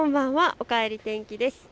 おかえり天気です。